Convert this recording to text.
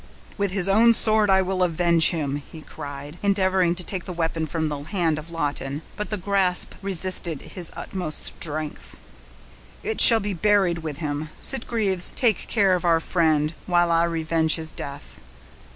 "With his own sword will I avenge him!" he cried, endeavoring to take the weapon from the hand of Lawton; but the grasp resisted his utmost strength. "It shall be buried with him. Sitgreaves, take care of our friend, while I revenge his death."